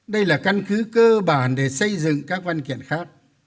đây là căn cứ cơ bản để xây dựng các văn kiện khác